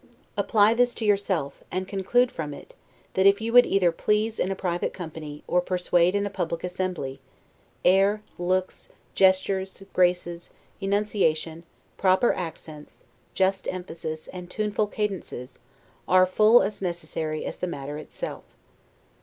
Apply this to yourself, and conclude from it, that if you would either please in a private company, or persuade in a public assembly, air, looks, gestures, graces, enunciation, proper accents, just emphasis, and tuneful cadences, are full as necessary as the matter itself.